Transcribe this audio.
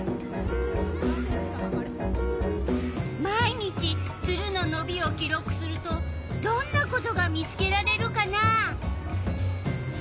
毎日ツルののびを記録するとどんなことが見つけられるかな。